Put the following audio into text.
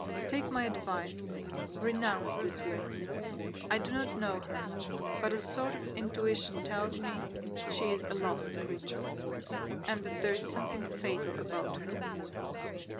Take my advice, renounce this woman. I do not know her, but a sort of intuition tells me she is a lost creature, and that there is something fatal about her."